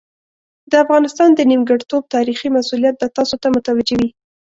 د افغانستان د نیمګړتوب تاریخي مسوولیت به تاسو ته متوجه وي.